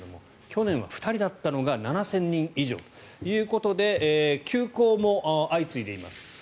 去年は２人だったのが７０００人以上ということで休校も相次いでいます。